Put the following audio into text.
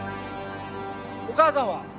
お母さんは？